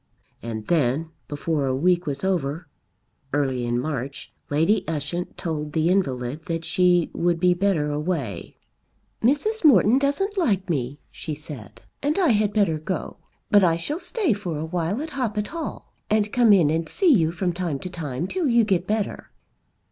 And then, before a week was over, early in March, Lady Ushant told the invalid that she would be better away. "Mrs. Morton doesn't like me," she said, "and I had better go. But I shall stay for a while at Hoppet Hall, and come in and see you from time to time till you get better."